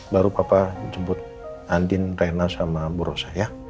baru papa jemput andin reyna sama bu rosa ya